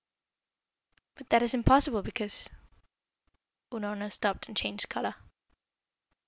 "But that is impossible, because " Unorna stopped and changed colour.